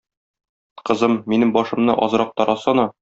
Кызым, минем башымны азрак тарасана.